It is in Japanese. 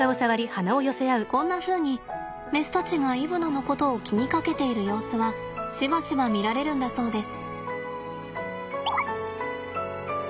こんなふうにメスたちがイブナのことを気にかけている様子はしばしば見られるんだそうです。